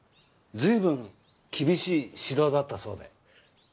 ずいぶん厳しい指導だったそうで。